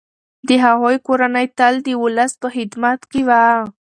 د هغوی کورنۍ تل د ولس په خدمت کي وه.